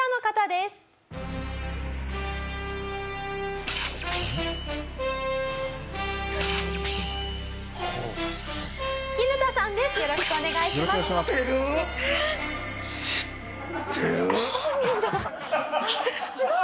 すごい！